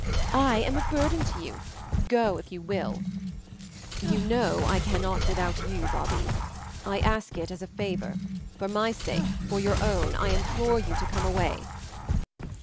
I am a burden to you; go if you will." "You know I cannot without you, Babie. I ask it as a favor. For my sake, for your own, I implore you to come away."